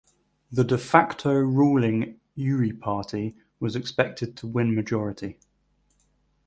The "de facto" ruling Uri Party was expected to win majority.